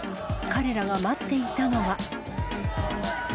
彼らが待っていたのが。